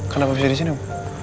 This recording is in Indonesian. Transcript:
kenapa bisa di sini ibu